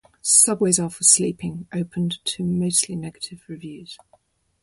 "Subways Are for Sleeping" opened to mostly negative reviews.